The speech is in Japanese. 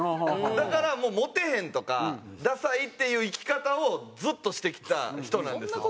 だからもうモテへんとかダサいっていう生き方をずっとしてきた人なんですよ。